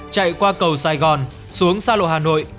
chạy qua cầu sài gòn xuống xa lộ hà nội